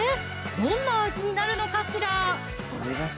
どんな味になるのかしら？